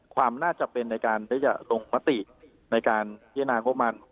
ความน่าจะเป็นในการได้ลงมติในการเยี่ยมงบมาก